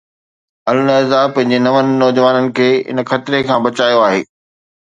النهضه پنهنجي نون نوجوانن کي ان خطري کان بچايو آهي.